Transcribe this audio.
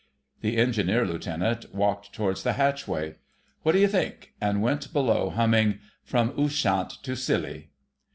The Engineer Lieutenant walked towards the hatchway. "What do you think!" and went below humming— "From Ushant to Scilly...